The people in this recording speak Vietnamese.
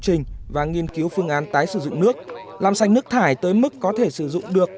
trình và nghiên cứu phương án tái sử dụng nước làm sạch nước thải tới mức có thể sử dụng được